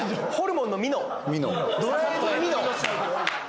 ミノドライブミノ？